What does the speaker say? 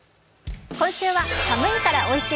今週は、「寒いからおいしい！